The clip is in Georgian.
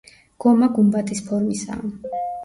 გომა გუმბათის ფორმისაა.